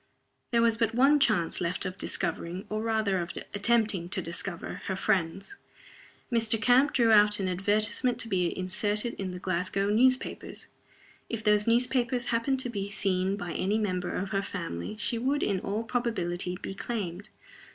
There was but one chance left of discovering or rather of attempting to discover her friends. Mr. Camp drew out an advertisement to be inserted in the Glasgow newspapers. If those newspapers happened to be seen by any member of her family, she would, in all probability, be claimed.